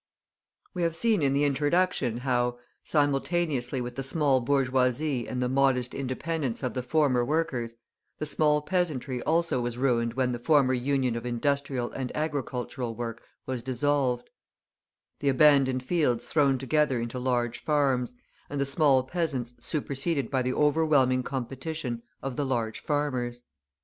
We have seen in the introduction how, simultaneously with the small bourgeoisie and the modest independence of the former workers, the small peasantry also was ruined when the former Union of industrial and agricultural work was dissolved, the abandoned fields thrown together into large farms, and the small peasants superseded by the overwhelming competition of the large farmers.